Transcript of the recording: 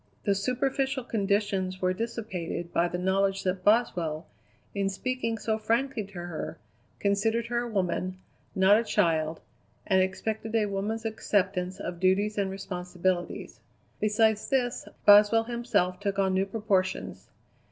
The superficial conditions were dissipated by the knowledge that Boswell, in speaking so frankly to her, considered her a woman, not a child, and expected a woman's acceptance of duties and responsibilities. Besides this, Boswell himself took on new proportions.